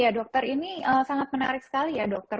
ya dokter ini sangat menarik sekali ya dokter